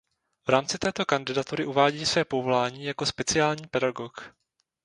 V rámci této kandidatury uvádí své povolání jako "speciální pedagog".